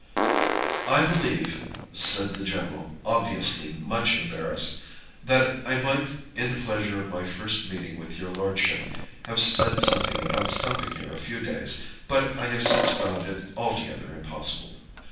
"I believe," said the general, obviously much embarrassed, "that I might, in the pleasure of my first meeting with your lordship, have said something about stopping here a few days; but I have since found it altogether impossible."